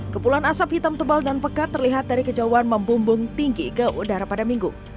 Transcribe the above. kepulan asap hitam tebal dan pekat terlihat dari kejauhan membumbung tinggi ke udara pada minggu